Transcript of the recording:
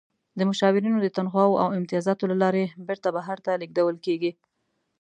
د مشاورینو د تنخواوو او امتیازاتو له لارې بیرته بهر ته لیږدول کیږي.